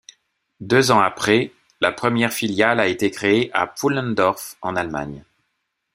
Deux ans après, la première filiale a été créée à Pfullendorf en Allemagne.